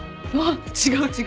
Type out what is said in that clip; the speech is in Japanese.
あ違う違う。